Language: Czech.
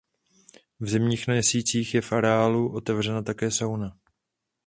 V zimních měsících je v areálu otevřena také sauna.